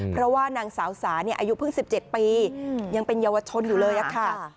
เพราะว่านางสาวสาอายุเพิ่ง๑๗ปียังเป็นเยาวชนอยู่เลยค่ะ